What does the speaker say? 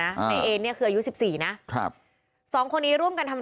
นายเอเนี่ยคืออายุสิบสี่นะครับสองคนนี้ร่วมกันทำ